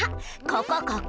ここここ！